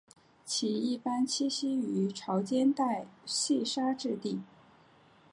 其一般栖息于潮间带细砂质底。